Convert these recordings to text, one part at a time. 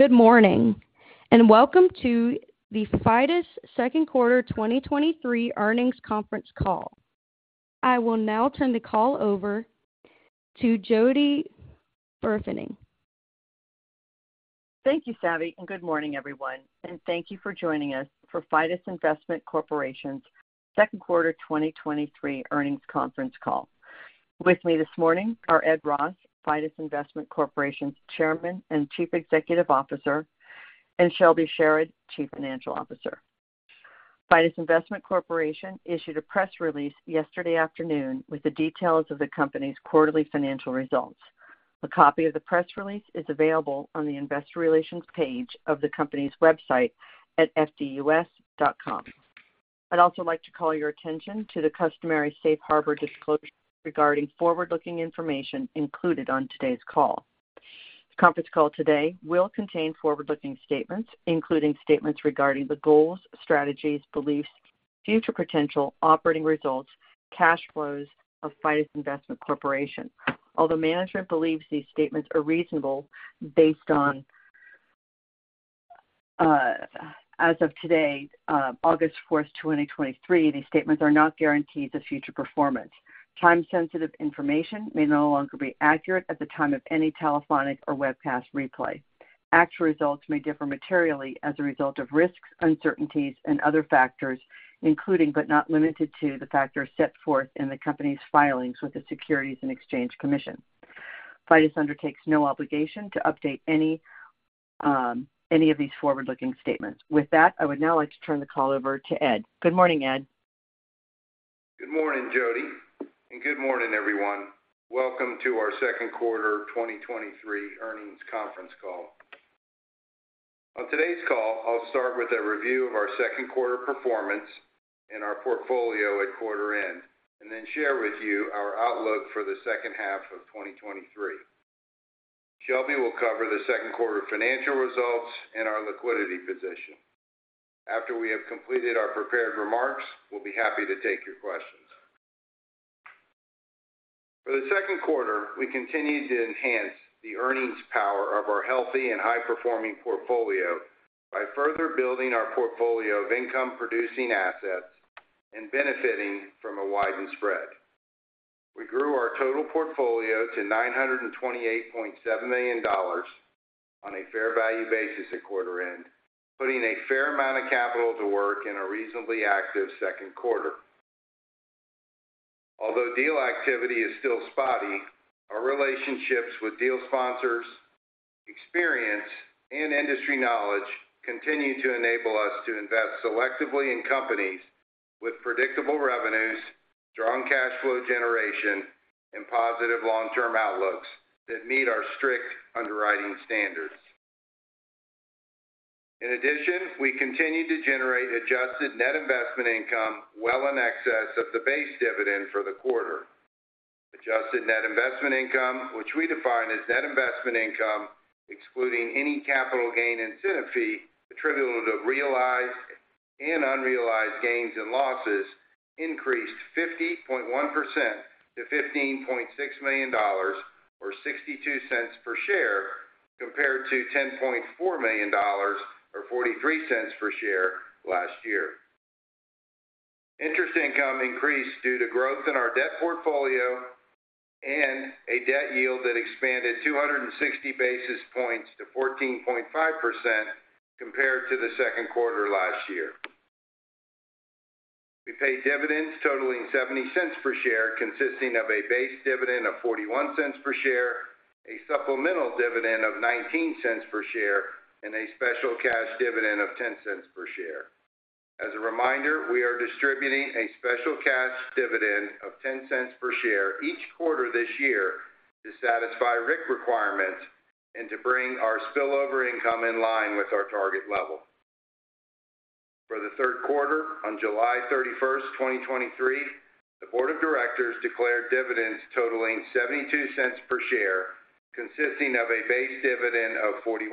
Good morning, and welcome to the Fidus second quarter 2023 earnings conference call. I will now turn the call over to Jody Burfening. Thank you, Savi, good morning, everyone, and thank you for joining us for Fidus Investment Corporation's second quarter 2023 earnings conference call. With me this morning are Ed Ross, Fidus Investment Corporation's Chairman and Chief Executive Officer, and Shelby Sherard, Chief Financial Officer. Fidus Investment Corporation issued a press release yesterday afternoon with the details of the company's quarterly financial results. A copy of the press release is available on the Investor Relations page of the company's website at fidus.com. I'd also like to call your attention to the customary safe harbor disclosure regarding forward-looking information included on today's call. The conference call today will contain forward-looking statements, including statements regarding the goals, strategies, beliefs, future potential operating results, cash flows of Fidus Investment Corporation. Although management believes these statements are reasonable based on, as of today, August 4, 2023, these statements are not guarantees of future performance. Time-sensitive information may no longer be accurate at the time of any telephonic or webcast replay. Actual results may differ materially as a result of risks, uncertainties, and other factors, including but not limited to, the factors set forth in the company's filings with the Securities and Exchange Commission. Fidus undertakes no obligation to update any, any of these forward-looking statements. With that, I would now like to turn the call over to Ed. Good morning, Ed. Good morning, Jody. Good morning, everyone. Welcome to our second quarter 2023 earnings conference call. On today's call, I'll start with a review of our second quarter performance and our portfolio at quarter end, then share with you our outlook for the second half of 2023. Shelby will cover the second quarter financial results and our liquidity position. After we have completed our prepared remarks, we'll be happy to take your questions. For the second quarter, we continued to enhance the earnings power of our healthy and high-performing portfolio by further building our portfolio of income-producing assets and benefiting from a widened spread. We grew our total portfolio to $928.7 million on a fair value basis at quarter end, putting a fair amount of capital to work in a reasonably active second quarter. Although deal activity is still spotty, our relationships with deal sponsors, experience, and industry knowledge continue to enable us to invest selectively in companies with predictable revenues, strong cash flow generation, and positive long-term outlooks that meet our strict underwriting standards. In addition, we continue to generate adjusted net investment income well in excess of the base dividend for the quarter. Adjusted net investment income, which we define as net investment income, excluding any capital gain incentive fee attributable to realized and unrealized gains and losses, increased 50.1% to $15.6 million or $0.62 per share, compared to $10.4 million or $0.43 per share last year. Interest income increased due to growth in our debt portfolio and a debt yield that expanded 260 basis points to 14.5% compared to the second quarter last year. We paid dividends totaling $0.70 per share, consisting of a base dividend of $0.41 per share, a supplemental dividend of $0.19 per share, and a special cash dividend of $0.10 per share. As a reminder, we are distributing a special cash dividend of $0.10 per share each quarter this year to satisfy RIC requirements and to bring our spillover income in line with our target level. For the third quarter, on July 31, 2023, the Board of Directors declared dividends totaling $0.72 per share, consisting of a base dividend of $0.41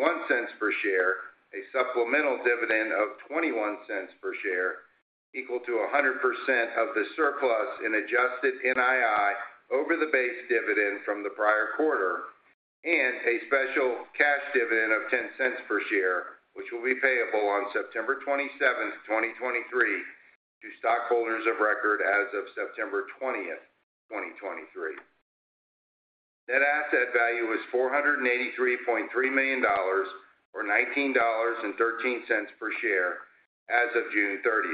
per share, a supplemental dividend of $0.21 per share, equal to 100% of the surplus in adjusted NII over the base dividend from the prior quarter, and a special cash dividend of $0.10 per share, which will be payable on September 27, 2023, to stockholders of record as of September 20, 2023. Net asset value is $483.3 million or $19.13 per share as of June 30.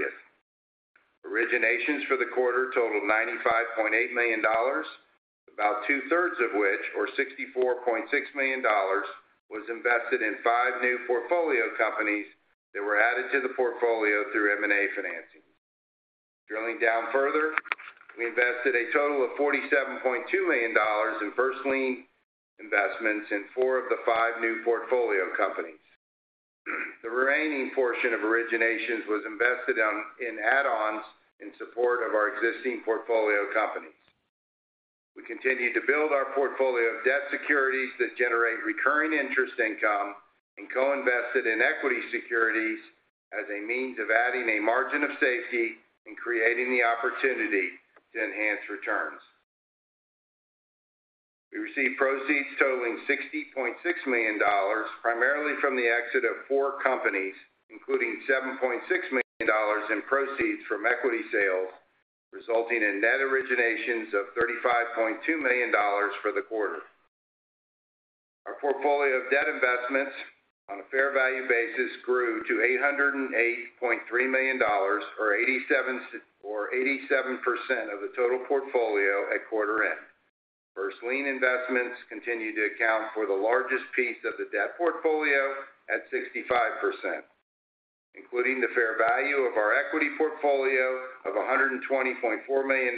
Originations for the quarter totaled $95.8 million, about two-thirds of which, or $64.6 million, was invested in five new portfolio companies that were added to the portfolio through M&A financing. Drilling down further, we invested a total of $47.2 million in first lien investments in four of the five new portfolio companies. The remaining portion of originations was invested in add-ons in support of our existing portfolio companies. We continued to build our portfolio of debt securities that generate recurring interest income and co-invested in equity securities as a means of adding a margin of safety and creating the opportunity to enhance returns. We received proceeds totaling $60.6 million, primarily from the exit of four companies, including $7.6 million in proceeds from equity sales, resulting in net originations of $35.2 million for the quarter. Our portfolio of debt investments on a fair value basis grew to $808.3 million, or 87%, or 87% of the total portfolio at quarter end. First lien investments continue to account for the largest piece of the debt portfolio at 65%, including the fair value of our equity portfolio of $120.4 million.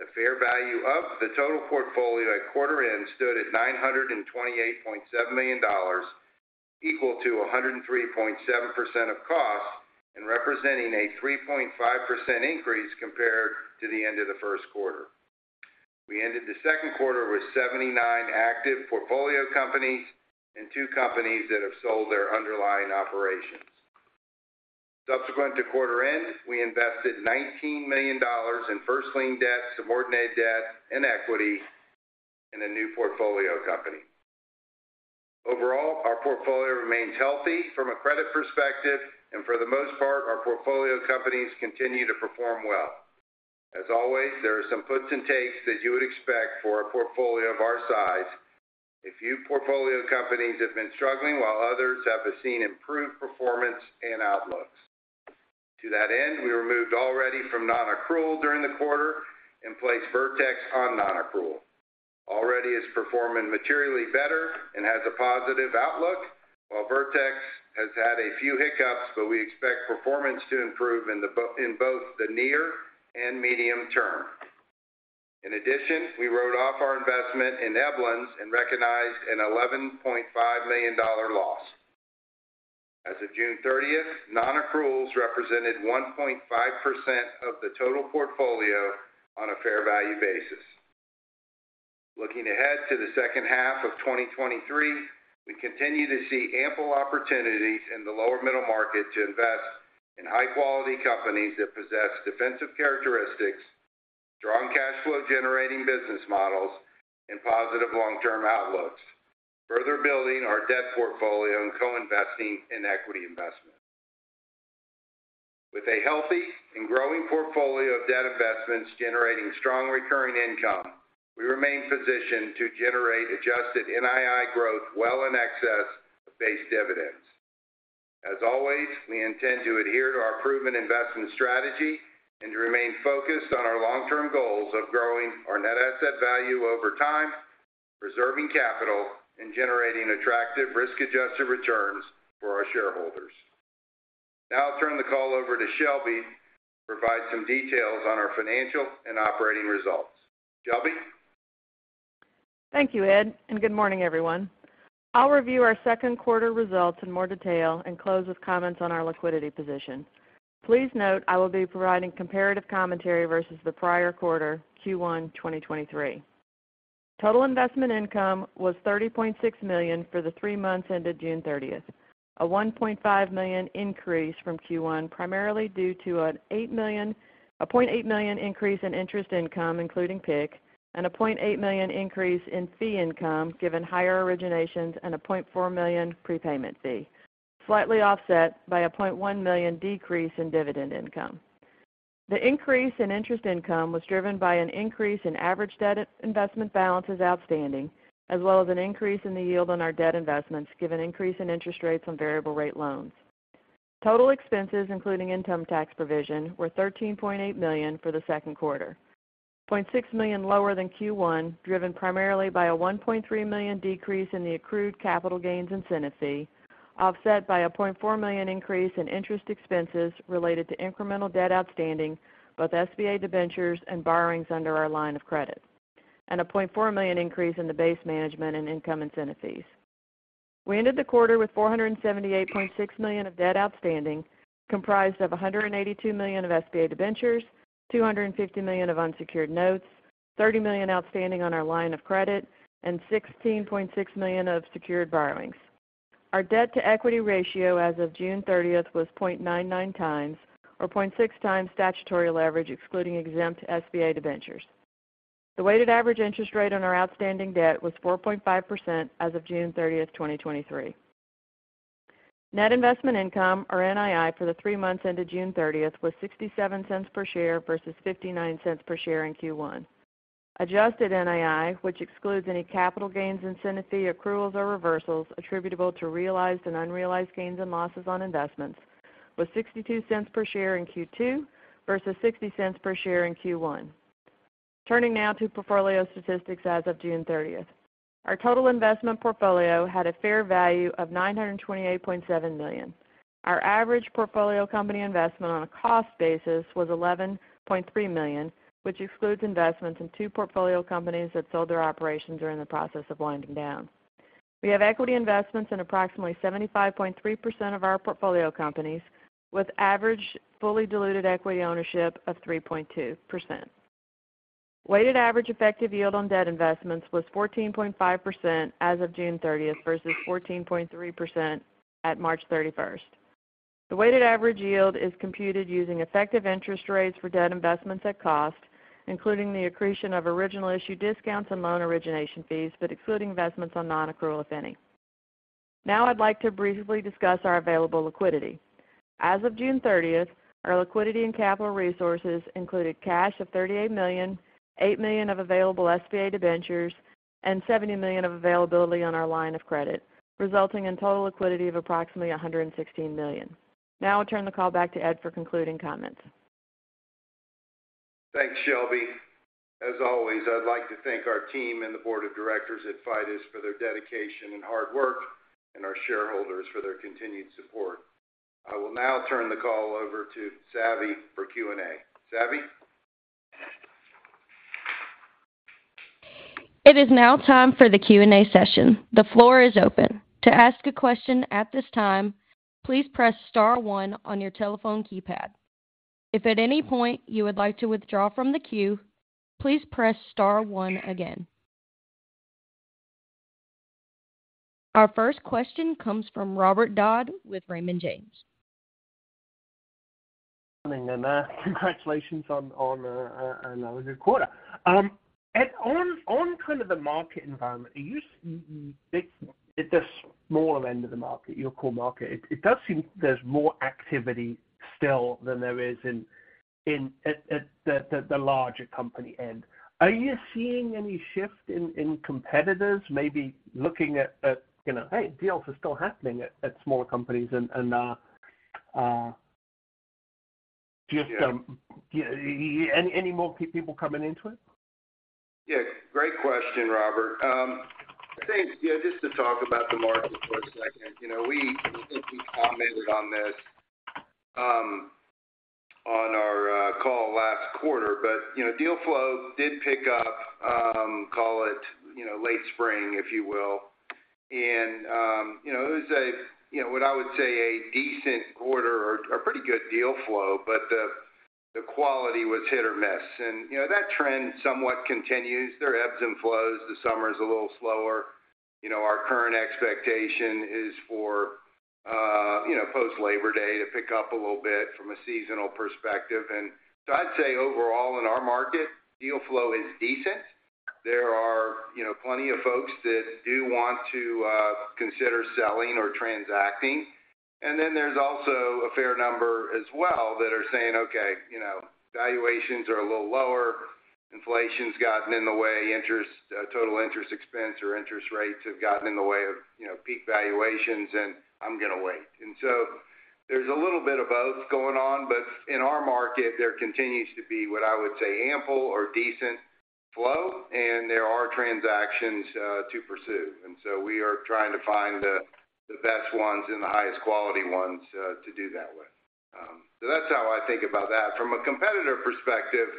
The fair value of the total portfolio at quarter end stood at $928.7 million, equal to 103.7% of cost, and representing a 3.5% increase compared to the end of the first quarter. We ended the second quarter with 79 active portfolio companies and two companies that have sold their underlying operations. Subsequent to quarter end, we invested $19 million in first lien debt, subordinate debt, and equity in a new portfolio company. Overall, our portfolio remains healthy from a credit perspective, and for the most part, our portfolio companies continue to perform well. As always, there are some puts and takes that you would expect for a portfolio of our size. A few portfolio companies have been struggling, while others have seen improved performance and outlooks. To that end, we removed Allredi from nonaccrual during the quarter and placed Vertex on nonaccrual. Allredi is performing materially better and has a positive outlook, while Vertex has had a few hiccups, but we expect performance to improve in both the near and medium term. In addition, we wrote off our investment in EbLens and recognized an $11.5 million loss. As of June 30th, nonaccruals represented 1.5% of the total portfolio on a fair value basis. Looking ahead to the second half of 2023, we continue to see ample opportunities in the lower middle market to invest in high-quality companies that possess defensive characteristics, strong cash flow generating business models, and positive long-term outlooks, further building our debt portfolio and co-investing in equity investments. With a healthy and growing portfolio of debt investments generating strong recurring income, we remain positioned to generate adjusted NII growth well in excess of base dividends. As always, we intend to adhere to our proven investment strategy and to remain focused on our long-term goals of growing our net asset value over time, preserving capital, and generating attractive risk-adjusted returns for our shareholders. Now I'll turn the call over to Shelby to provide some details on our financial and operating results. Shelby? Thank you, Ed. Good morning, everyone. I'll review our second quarter results in more detail and close with comments on our liquidity position. Please note, I will be providing comparative commentary versus the prior quarter, Q1 2023. Total investment income was $30.6 million for the three months ended June 30th, a $1.5 million increase from Q1, primarily due to a $0.8 million increase in interest income, including PIK, and a $0.8 million increase in fee income, given higher originations and a $0.4 million prepayment fee, slightly offset by a $0.1 million decrease in dividend income. The increase in interest income was driven by an increase in average debt investment balances outstanding, as well as an increase in the yield on our debt investments, given increase in interest rates on variable rate loans. Total expenses, including income tax provision, were $13.8 million for the second quarter, $0.6 million lower than Q1, driven primarily by a $1.3 million decrease in the accrued capital gains incentive fee, offset by a $0.4 million increase in interest expenses related to incremental debt outstanding, both SBA debentures and borrowings under our line of credit, and a $0.4 million increase in the base management and income incentive fees. We ended the quarter with $478.6 million of debt outstanding, comprised of $182 million of SBA debentures, $250 million of unsecured notes, $30 million outstanding on our line of credit, and $16.6 million of secured borrowings. Our debt-to-equity ratio as of June 30th was 0.99x, or 0.6x statutory leverage, excluding exempt SBA debentures. The weighted average interest rate on our outstanding debt was 4.5% as of June 30th, 2023. Net investment income, or NII, for the three months ended June 30th, was $0.67 per share versus $0.59 per share in Q1. Adjusted NII, which excludes any capital gains incentive fee accruals or reversals attributable to realized and unrealized gains and losses on investments, was $0.62 per share in Q2 versus $0.60 per share in Q1. Turning now to portfolio statistics as of June 30th. Our total investment portfolio had a fair value of $928.7 million. Our average portfolio company investment on a cost basis was $11.3 million, which excludes investments in two portfolio companies that sold their operations or are in the process of winding down. We have equity investments in approximately 75.3% of our portfolio companies, with average fully diluted equity ownership of 3.2%. Weighted average effective yield on debt investments was 14.5% as of June 30th versus 14.3% at March 31st. The weighted average yield is computed using effective interest rates for debt investments at cost, including the accretion of original issue discounts and loan origination fees, but excluding investments on nonaccrual, if any. Now I'd like to briefly discuss our available liquidity. As of June 30th, our liquidity and capital resources included cash of $38 million, $8 million of available SBA debentures, and $70 million of availability on our line of credit, resulting in total liquidity of approximately $116 million. Now I'll turn the call back to Ed for concluding comments. Thanks, Shelby. As always, I'd like to thank our team and the Board of Directors at Fidus for their dedication and hard work, and our shareholders for their continued support. I will now turn the call over to Savi for Q&A. Savi? It is now time for the Q&A session. The floor is open. To ask a question at this time, please press star one on your telephone keypad. If at any point you would like to withdraw from the queue, please press star one again. Our first question comes from Robert Dodd with Raymond James. Congratulations on another good quarter. Kind of the market environment, are you, at the smaller end of the market, your core market, it does seem there's more activity still than there is in the larger company end? Are you seeing any shift in competitors, maybe looking at, you know, hey, deals are still happening at smaller companies and more people coming into it? Yeah, great question, Robert. I think, yeah, just to talk about the market for a second. You know, we, I think we commented on this, on our call last quarter, but, you know, deal flow did pick up, call it, you know, late spring, if you will. You know, it was a, you know, what I would say a decent quarter or, or pretty good deal flow, but the, the quality was hit or miss. You know, that trend somewhat continues. There are ebbs and flows. The summer is a little slower. You know, our current expectation is for, you know, post Labor Day to pick up a little bit from a seasonal perspective. I'd say overall, in our market, deal flow is decent. There are, you know, plenty of folks that do want to consider selling or transacting. Then there's also a fair number as well that are saying, "Okay, you know, valuations are a little lower, inflation's gotten in the way, interest, total interest expense or interest rates have gotten in the way of, you know, peak valuations, and I'm gonna wait." So there's a little bit of both going on, but in our market, there continues to be what I would say, ample or decent flow, and there are transactions to pursue. So we are trying to find the best ones and the highest quality ones to do that with. So that's how I think about that. From a competitor perspective,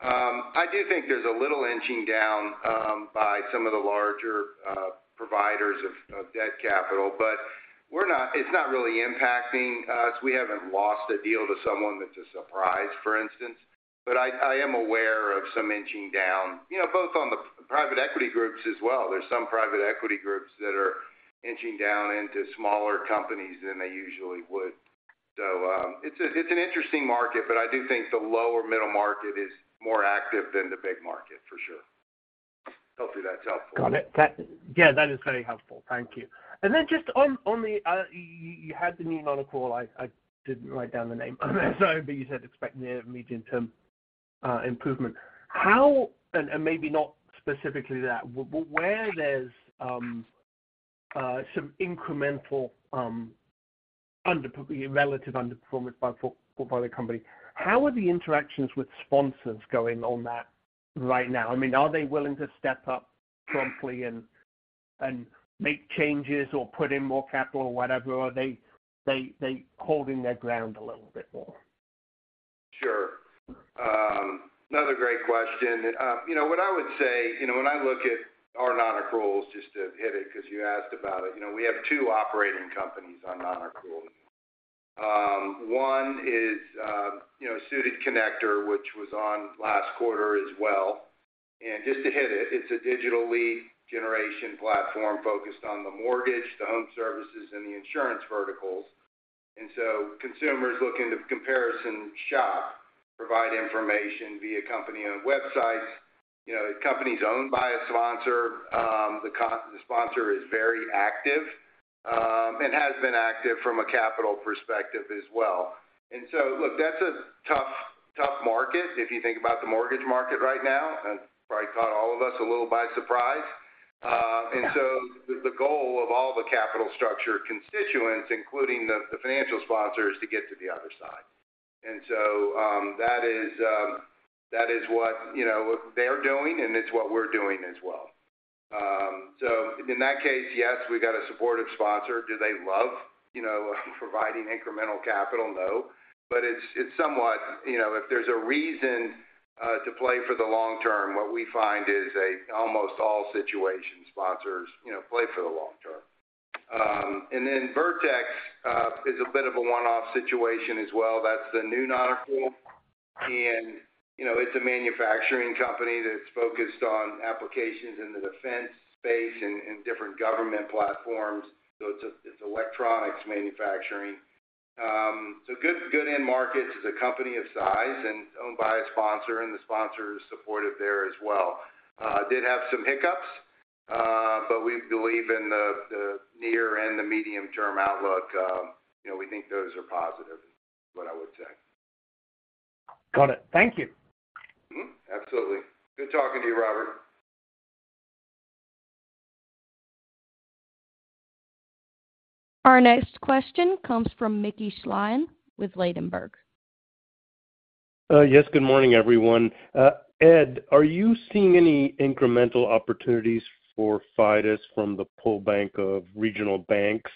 I do think there's a little inching down by some of the larger providers of debt capital, but we're not, it's not really impacting us. We haven't lost a deal to someone that's a surprise, for instance, but I, I am aware of some inching down, you know, both on the private equity groups as well. There's some private equity groups that are inching down into smaller companies than they usually would. It's an interesting market, but I do think the lower middle market is more active than the big market, for sure. Hopefully, that's helpful. Got it. That, yeah, that is very helpful. Thank you. Then just on, on the, you, you had the new nonaccrual. I, I didn't write down the name, sorry, but you said expect near medium-term improvement. How, maybe not specifically that, where there's some incremental relative underperformance by the company, how are the interactions with sponsors going on that right now? I mean, are they willing to step up promptly and make changes or put in more capital or whatever? Are they holding their ground a little bit more? Sure. Another great question. You know, what I would say, you know, when I look at our nonaccruals, just to hit it because you asked about it, you know, we have two operating companies on nonaccrual. One is, you know, Suited Connector, which was on last quarter as well. Just to hit it, it's a digital lead generation platform focused on the mortgage, the home services, and the insurance verticals. Consumers looking to comparison shop, provide information via company-owned websites. You know, the company's owned by a sponsor. The sponsor is very active and has been active from a capital perspective as well. Look, that's a tough, tough market, if you think about the mortgage market right now, and probably caught all of us a little by surprise. Yeah. The goal of all the capital structure constituents, including the, the financial sponsors, is to get to the other side. That is what, you know, they're doing, and it's what we're doing as well. In that case, yes, we've got a supportive sponsor. Do they love, you know, providing incremental capital? No. It's, it's somewhat, you know, if there's a reason to play for the long term, what we find is a almost all situation sponsors, you know, play for the long term. Then Vertex is a bit of a one-off situation as well. That's the new nonaccrual. You know, it's a manufacturing company that's focused on applications in the defense space and, and different government platforms. So it's a, it's electronics manufacturing. Good, good end markets. It's a company of size and owned by a sponsor, and the sponsor is supportive there as well. Did have some hiccups, but we believe in the, the near and the medium-term outlook. You know, we think those are positive, is what I would say. Got it. Thank you. Mm-hmm. Absolutely. Good talking to you, Robert. Our next question comes from Mickey Schleien with Ladenburg. Yes, good morning, everyone. Ed, are you seeing any incremental opportunities for Fidus from the pullback of regional banks?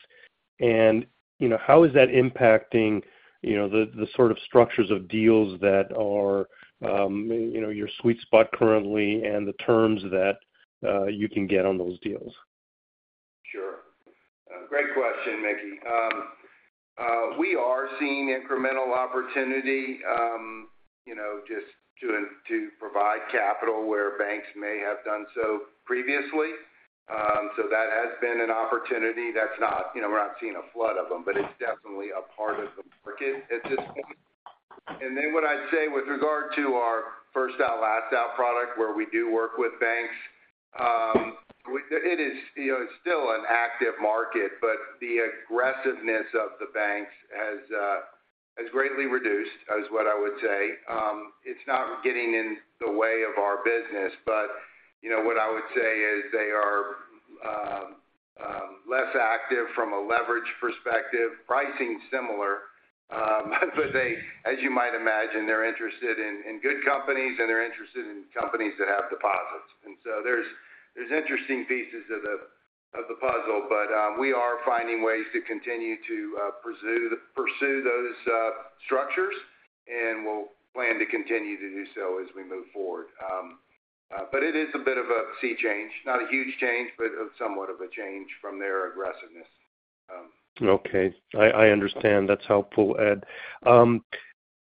You know, how is that impacting, you know, the sort of structures of deals that are, you know, your sweet spot currently and the terms that you can get on those deals? Sure. Great question, Mickey. We are seeing incremental opportunity, you know, just to, to provide capital where banks may have done so previously. That has been an opportunity. You know, we're not seeing a flood of them, but it's definitely a part of the market at this point. What I'd say with regard to our first out, last out product, where we do work with banks, it is, you know, still an active market, but the aggressiveness of the banks has greatly reduced, is what I would say. It's not getting in the way of our business, but, you know, what I would say is they are less active from a leverage perspective. Pricing's similar, but they, as you might imagine, they're interested in, in good companies, and they're interested in companies that have deposits. There's, there's interesting pieces of the, of the puzzle, but we are finding ways to continue to pursue, pursue those structures, and we'll plan to continue to do so as we move forward. It is a bit of a sea change. Not a huge change, but somewhat of a change from their aggressiveness. Okay, I, I understand. That's helpful, Ed.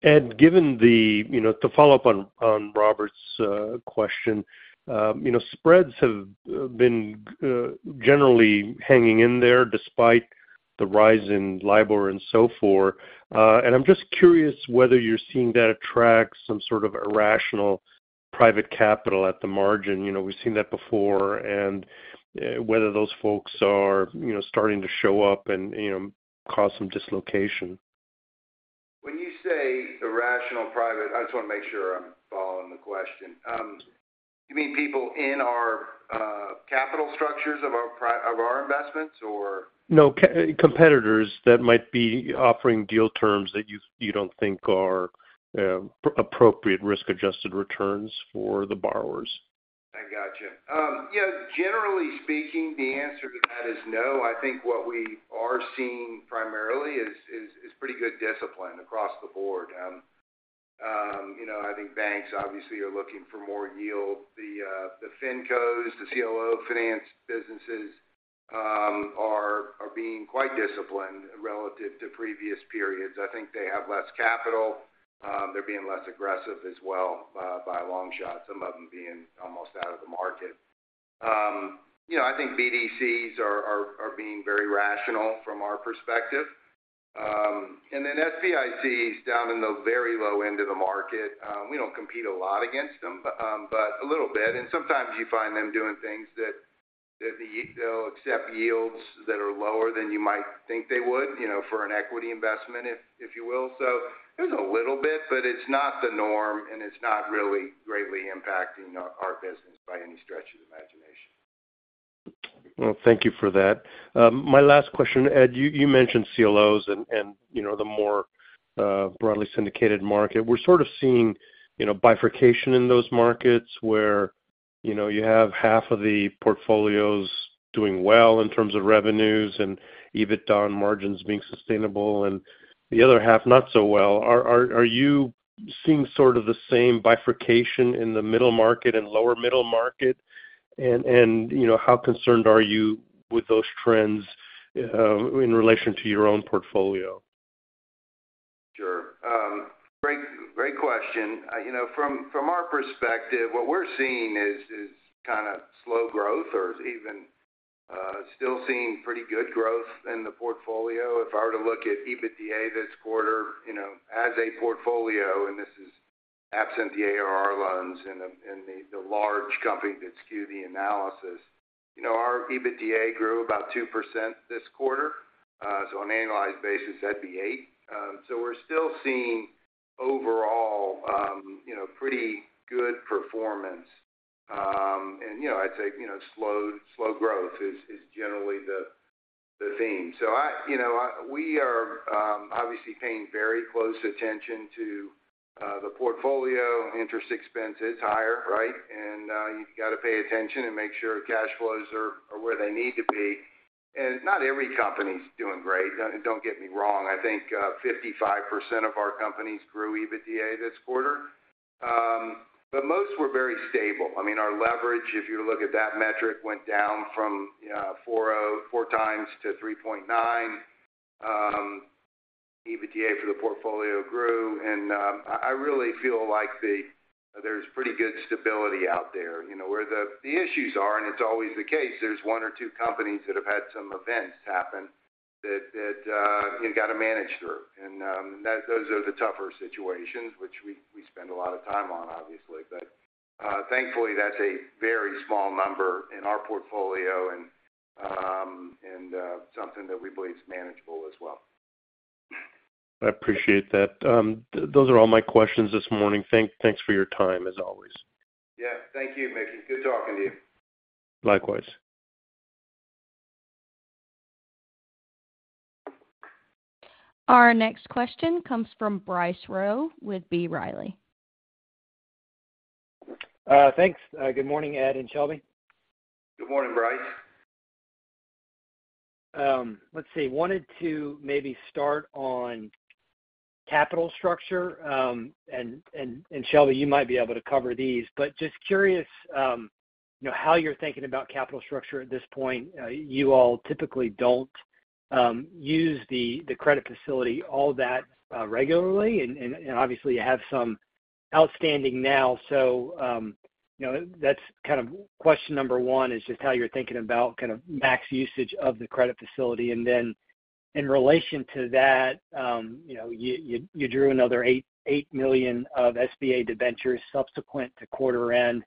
Ed, given the, you know, to follow up on, on Robert's question, you know, spreads have been generally hanging in there despite the rise in LIBOR and so forth. I'm just curious whether you're seeing that attract some sort of irrational private capital at the margin. You know, we've seen that before, and whether those folks are, you know, starting to show up and, you know, cause some dislocation. When you say irrational, private, I just want to make sure I'm following the question. You mean people in our capital structures of our investments, or? No. Competitors that might be offering deal terms that you, you don't think are appropriate risk-adjusted returns for the borrowers. I gotcha. Yeah, generally speaking, the answer to that is no. I think what we are seeing primarily is, is, is pretty good discipline across the board. You know, I think banks obviously are looking for more yield. The, the Fincos, the CLO finance businesses, are, are being quite disciplined relative to previous periods. I think they have less capital. They're being less aggressive as well, by a long shot, some of them being almost out of the market. You know, I think BDCs are, are, are being very rational from our perspective. Then SBICs, down in the very low end of the market, we don't compete a lot against them, but a little bit, and sometimes you find them doing things that, that they'll accept yields that are lower than you might think they would, you know, for an equity investment if, if you will. There's a little bit, but it's not the norm, and it's not really greatly impacting our, our business by any stretch of the imagination. Well, thank you for that. My last question, Ed, you, you mentioned CLOs and, and, you know, the more, broadly syndicated market. We're sort of seeing, you know, bifurcation in those markets where, you know, you have half of the portfolios doing well in terms of revenues and EBITDA and margins being sustainable, and the other half not so well. Are, are, are you seeing sort of the same bifurcation in the middle market and lower middle market? You know, how concerned are you with those trends, in relation to your own portfolio? Sure. Great, great question. You know, from, from our perspective, what we're seeing is, is kind of slow growth or even still seeing pretty good growth in the portfolio. If I were to look at EBITDA this quarter, as a portfolio, and this is absent the ARR loans and the, and the, the large company that skew the analysis. Our EBITDA grew about 2% this quarter. On an annualized basis, that'd be eight. We're still seeing overall, you know, pretty good performance. You know, I'd say, you know, slow, slow growth is, is generally the, the theme. We are obviously paying very close attention to the portfolio. Interest expense is higher, right? You've got to pay attention and make sure cash flows are, are where they need to be. Not every company is doing great. Don't, don't get me wrong. I think 55% of our companies grew EBITDA this quarter. Most were very stable. I mean, our leverage, if you look at that metric, went down from 4.04x to 3.9x. EBITDA for the portfolio grew, I, I really feel like there's pretty good stability out there. You know, where the, the issues are, and it's always the case, there's one or two companies that have had some events happen that, that you've got to manage through. Those are the tougher situations which we, we spend a lot of time on, obviously. Thankfully, that's a very small number in our portfolio and, and something that we believe is manageable as well. I appreciate that. Those are all my questions this morning. Thanks for your time, as always. Yeah, thank you, Mickey. Good talking to you. Likewise. Our next question comes from Bryce Rowe with B. Riley. Thanks. Good morning, Ed and Shelby. Good morning, Bryce. Let's see. Wanted to maybe start on capital structure. Shelby, you might be able to cover these, but just curious, you know, how you're thinking about capital structure at this point. You all typically don't use the credit facility all that regularly, and obviously you have some outstanding now. You know, that's kind of question number one, is just how you're thinking about kind of max usage of the credit facility. In relation to that, you know, you drew another $8, 8 million of SBA debentures subsequent to quarter end.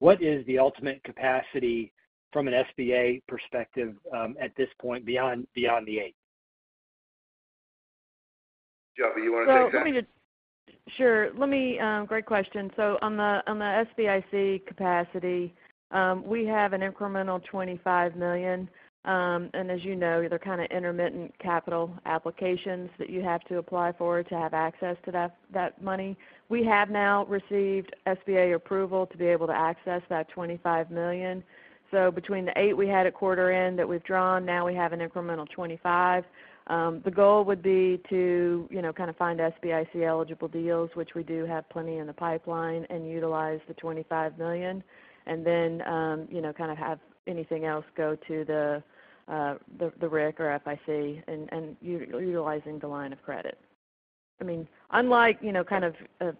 What is the ultimate capacity from an SBA perspective at this point, beyond the eight? Shelby, you wanna take that? Well, let me just... Sure. Let me... Great question. On the SBIC capacity, we have an incremental $25 million. As you know, they're kind of intermittent capital applications that you have to apply for to have access to that, that money. We have now received SBA approval to be able to access that $25 million. Between the eight we had at quarter end that we've drawn, now we have an incremental $25 million. The goal would be to, you know, kind of find SBIC-eligible deals, which we do have plenty in the pipeline, and utilize the $25 million. Then, you know, kind of have anything else go to the RIC or FIC and utilizing the line of credit. I mean, unlike, you know, kind of,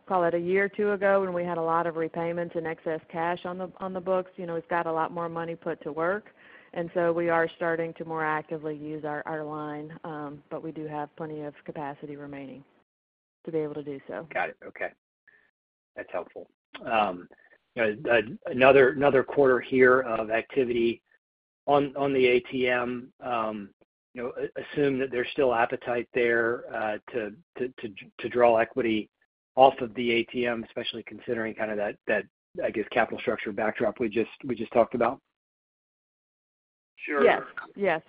call it a one year or two ago, when we had a lot of repayments and excess cash on the, on the books, you know, we've got a lot more money put to work, and so we are starting to more actively use our, our line. We do have plenty of capacity remaining to be able to do so. Got it. Okay. That's helpful. Another, another quarter here of activity on, on the ATM. You know, assume that there's still appetite there, to draw equity off of the ATM, especially considering kind of that, that, I guess, capital structure backdrop we just, we just talked about? Sure. Yes, yes.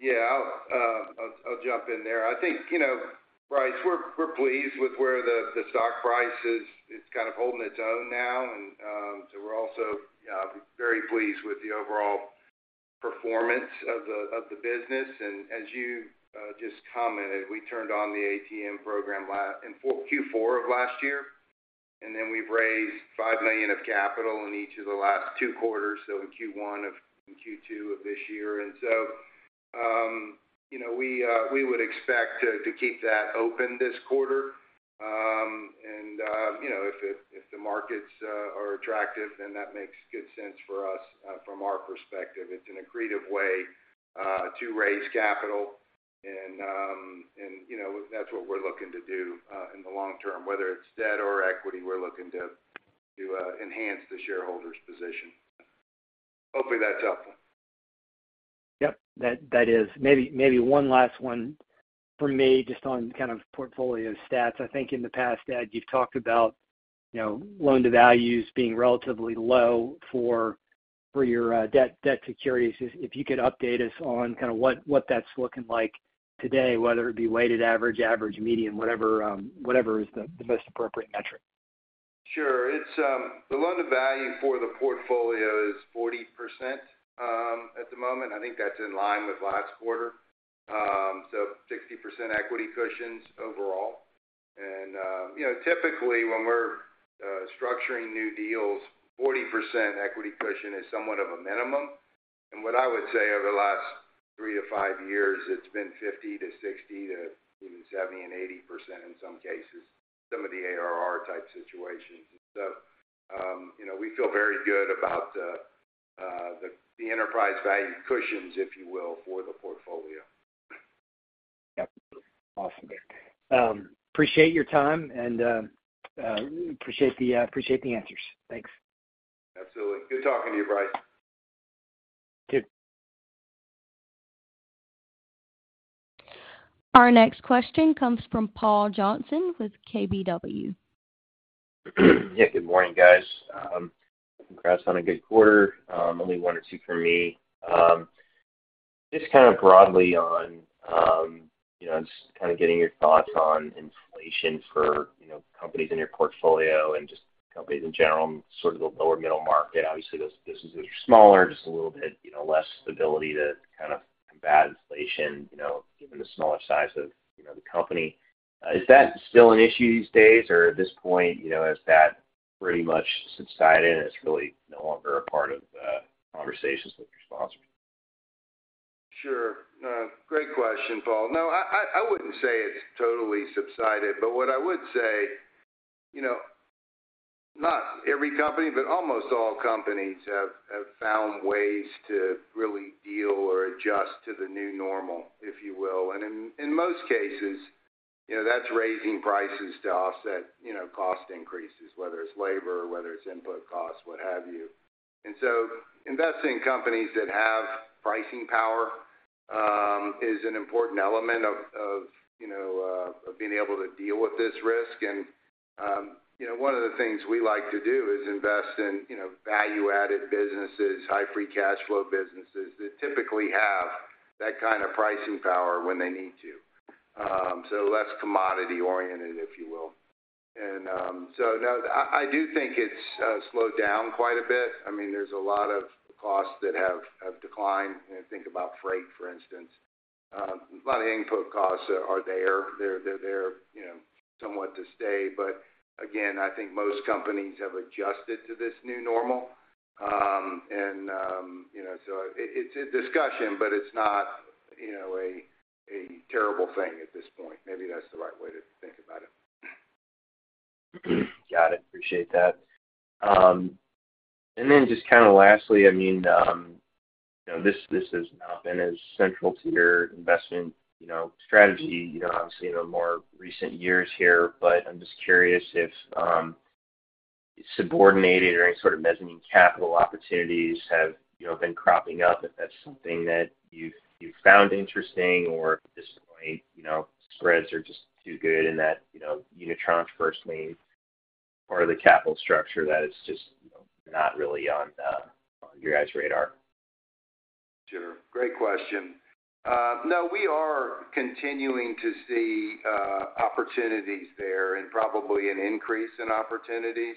Yeah, I'll, I'll jump in there. I think, you know, Bryce, we're, we're pleased with where the stock price is. It's kind of holding its own now, and, so we're also very pleased with the overall performance of the business. As you just commented, we turned on the ATM program last in Q4 of last year, and then we've raised $5 million of capital in each of the last two quarters, so in Q1 and Q2 of this year. You know, we would expect to keep that open this quarter. You know, if the markets are attractive, then that makes good sense for us from our perspective. It's an accretive way to raise capital, and, you know, that's what we're looking to do in the long term. Whether it's debt or equity, we're looking to enhance the shareholders' position. Hopefully, that's helpful. Yep, that, that is. Maybe, maybe one last one from me, just on kind of portfolio stats. I think in the past, Ed, you've talked about, you know, loan-to-values being relatively low for, for your, debt, debt securities. If, if you could update us on kind of what, what that's looking like today, whether it be weighted average, average, median, whatever, whatever is the, the most appropriate metric. Sure. It's the loan-to-value for the portfolio is 40% at the moment. I think that's in line with last quarter. 60% equity cushions overall. You know, typically, when we're structuring new deals, 40% equity cushion is somewhat of a minimum. What I would say, over the last three to five years, it's been 50%-60% to even 70% and 80% in some cases, some of the ARR-type situations. You know, we feel very good about the, the, the enterprise value cushions, if you will, for the portfolio. Yep. Awesome. Appreciate your time, and, appreciate the, appreciate the answers. Thanks. Absolutely. Good talking to you, Bryce. Yep. Our next question comes from Paul Johnson with KBW. Yeah, good morning, guys. Congrats on a good quarter. Only one or two for me. Just kind of broadly on, you know, just kind of getting your thoughts on inflation for, you know, companies in your portfolio, companies in general, sort of the lower middle market. Obviously, those businesses are smaller, just a little bit, you know, less stability to kind of combat inflation, you know, given the smaller size of, you know, the company. Is that still an issue these days, or at this point, you know, has that pretty much subsided, and it's really no longer a part of, conversations with your sponsors? Sure. Great question, Paul. No, I, I, I wouldn't say it's totally subsided, but what I would say, you know, not every company, but almost all companies have, have found ways to really deal or adjust to the new normal, if you will. In most cases, you know, that's raising prices to offset, you know, cost increases, whether it's labor, whether it's input costs, what have you. So investing in companies that have pricing power is an important element of, of, you know, of being able to deal with this risk. You know, one of the things we like to do is invest in, you know, value-added businesses, high free cash flow businesses, that typically have that kind of pricing power when they need to. So less commodity-oriented, if you will. No, I, I do think it's slowed down quite a bit. I mean, there's a lot of costs that have, have declined. You know, think about freight, for instance. A lot of input costs are there. They're, they're, you know, somewhat to stay. Again, I think most companies have adjusted to this new normal. You know, so it, it's a discussion, but it's not, you know, a, a terrible thing at this point. Maybe that's the right way to think about it. Got it. Appreciate that. Just kinda lastly, I mean, you know, this, this has not been as central to your investment, you know, strategy, you know, obviously, in the more recent years here, but I'm just curious if subordinated or any sort of mezzanine capital opportunities have, you know, been cropping up? If that's something that you've, you've found interesting, or at this point, you know, spreads are just too good and that, you know, unitranche first lien part of the capital structure, that is just, you know, not really on your guys' radar. Sure. Great question. No, we are continuing to see opportunities there and probably an increase in opportunities.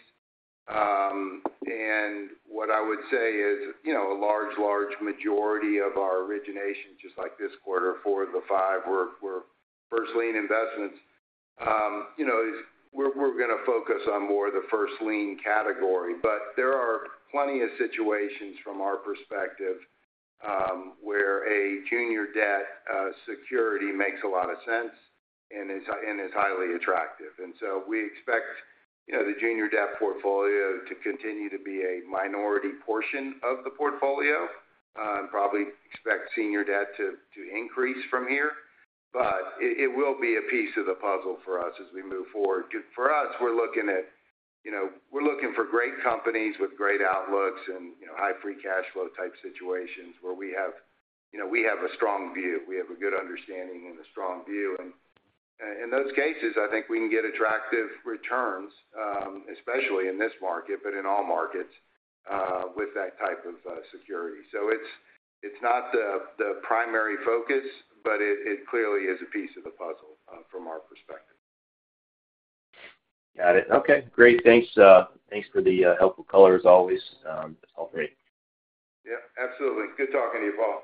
What I would say is, you know, a large, large majority of our originations, just like this quarter, four of the five were, were first lien investments. You know, we're, we're gonna focus on more of the first lien category, but there are plenty of situations from our perspective, where a junior debt security makes a lot of sense and is, and is highly attractive. So we expect, you know, the junior debt portfolio to continue to be a minority portion of the portfolio, probably expect senior debt to, to increase from here, but it, it will be a piece of the puzzle for us as we move forward. For us, we're looking at, you know, we're looking for great companies with great outlooks and, you know, high free cash flow type situations where we have, you know, we have a strong view, we have a good understanding and a strong view. In those cases, I think we can get attractive returns, especially in this market, but in all markets, with that type of security. It's, it's not the, the primary focus, but it, it clearly is a piece of the puzzle from our perspective. Got it. Okay, great. Thanks, thanks for the helpful color, as always. It's all great. Yeah, absolutely. Good talking to you, Paul.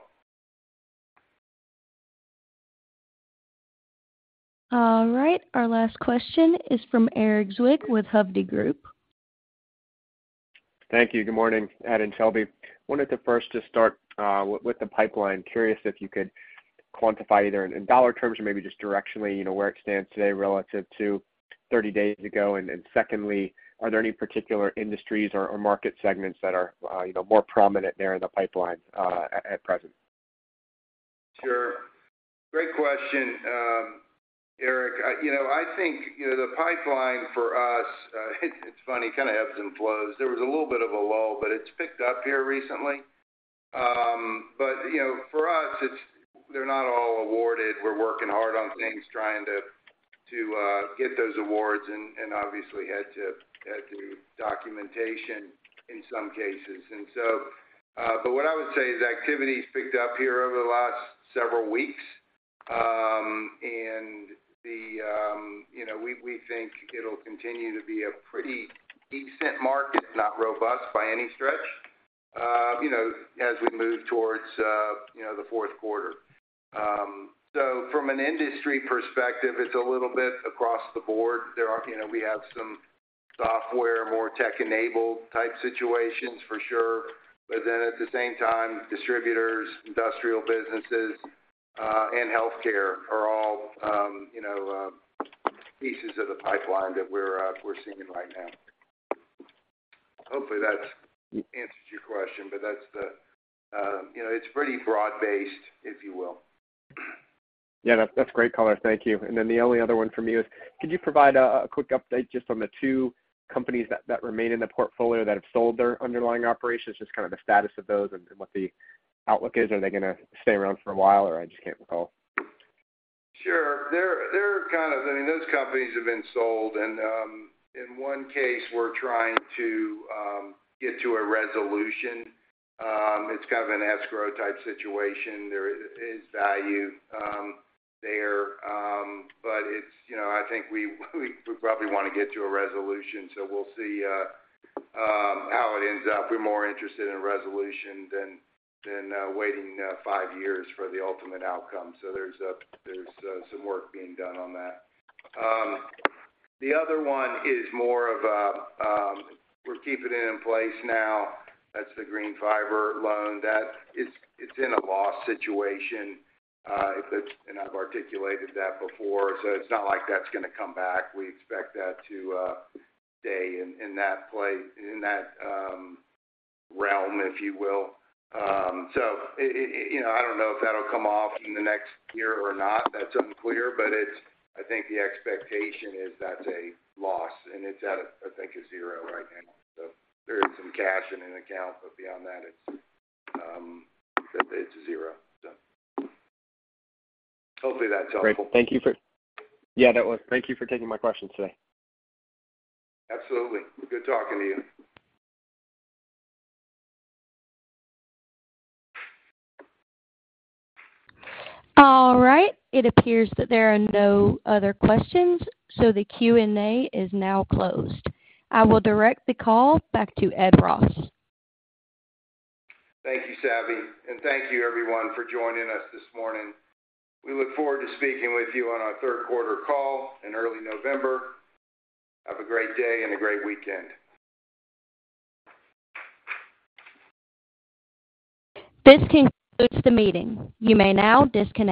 All right, our last question is from Erik Zwick with Hovde Group. Thank you. Good morning, Ed and Shelby. Wanted to first just start with, with the pipeline. Curious if you could quantify either in dollar terms or maybe just directionally, you know, where it stands today relative to 30 days ago. Secondly, are there any particular industries or, or market segments that are, you know, more prominent there in the pipeline at, at present? Sure. Great question, Erik. You know, I think, you know, the pipeline for us, it's funny, kind of ebbs and flows. There was a little bit of a lull, but it's picked up here recently. You know, for us, it's they're not all awarded. We're working hard on things, trying to get those awards and obviously had to do documentation in some cases. What I would say is activity's picked up here over the last several weeks. You know, we think it'll continue to be a pretty decent market, not robust by any stretch, you know, as we move towards, you know, the fourth quarter. From an industry perspective, it's a little bit across the board. You know, we have some software, more tech-enabled type situations for sure, but then at the same time, distributors, industrial businesses, and healthcare are all, you know, pieces of the pipeline that we're, we're seeing right now. Hopefully, that answers your question, but that's the... You know, it's pretty broad-based, if you will. Yeah, that's, that's great color. Thank you. Then the only other one from me is, could you provide a quick update just on the two companies that remain in the portfolio that have sold their underlying operations, just kind of the status of those and what the outlook is? Are they gonna stay around for a while, or I just can't recall? Sure. They're, they're kind of-- I mean, those companies have been sold, and, in one case, we're trying to get to a resolution. It's kind of an escrow type situation. There is value there, but it's, you know, I think we, we, we probably want to get to a resolution, so we'll see how it ends up. We're more interested in a resolution than, than waiting five years for the ultimate outcome. There's, there's some work being done on that. The other one is more of a, we're keeping it in place now. That's the Greenfiber loan. That it's, it's in a loss situation, it's-- and I've articulated that before, so it's not like that's gonna come back. We expect that to stay in, in that place, in that realm, if you will. It, you know, I don't know if that'll come off in the next year or not. That's unclear, but it's I think the expectation is that's a loss, and it's at, I think, a zero right now. There is some cash in an account, but beyond that, it's, it's a zero. Hopefully, that's helpful. Great, thank you for... Yeah, that was. Thank you for taking my questions today. Absolutely. Good talking to you. All right. It appears that there are no other questions, so the Q&A is now closed. I will direct the call back to Ed Ross. Thank you, Savi, and thank you everyone for joining us this morning. We look forward to speaking with you on our 3rd quarter call in early November. Have a great day and a great weekend. This concludes the meeting. You may now disconnect.